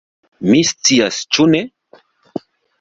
Mi scias, ĉu ne?